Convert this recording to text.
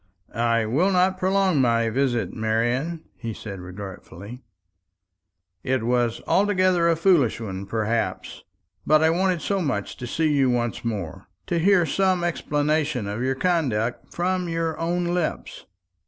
"I will not prolong my visit, Marian," he said regretfully. "It was altogether a foolish one, perhaps; but I wanted so much to see you once more, to hear some explanation of your conduct from your own lips."